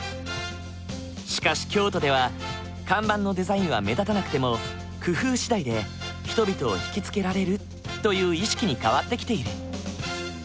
しかし京都では看板のデザインは目立たなくても工夫次第で人々を引き付けられるという意識に変わってきている。